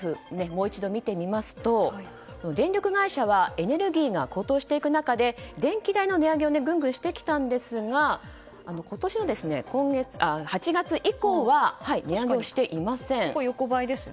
もう一度見てみますと電力会社はエネルギーが高騰していく中で電気代の値上げをぐんぐんしてきたんですが今年の８月以降は値上げをしていません。